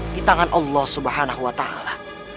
di tangan allah subhanahu wa ta'ala